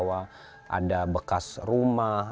ada bekas rumah